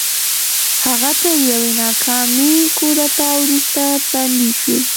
هغه تر یوې ناکامې کودتا وروسته بندي شو.